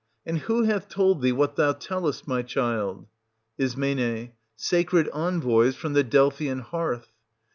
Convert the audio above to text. And who hath told thee what thou tellest, my child ? Is. Sacred envoys, from the Delphian hearth.